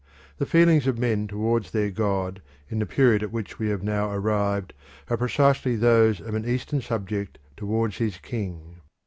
The feelings of men towards their god in the period at which we have now arrived are precisely those of an Eastern subject towards his king.